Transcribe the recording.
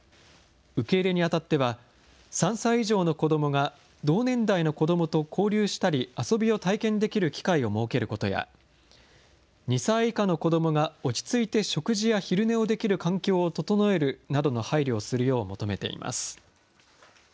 受け入れにあたっては、３歳以上の子どもが同年代の子どもと交流したり遊びを体験できる機会を設けることや、２歳以下の子どもが落ち着いて食事や昼寝をできる環境を整えるなどの配慮をするよう求めています。